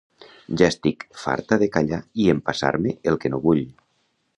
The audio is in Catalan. Ja estic farta de callar i empassar-me el que no vull.